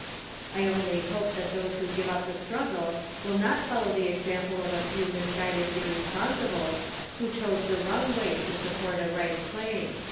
I only hope that those who give up the struggle will not follow the example of a few misguided irresponsibles who chose the wrong way to support a right claim.